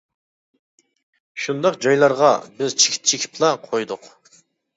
شۇنداق جايلارغا بىز چېكىت چېكىپلا قويدۇق.